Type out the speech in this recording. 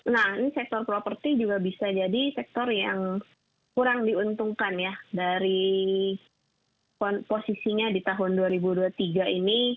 nah ini sektor properti juga bisa jadi sektor yang kurang diuntungkan ya dari posisinya di tahun dua ribu dua puluh tiga ini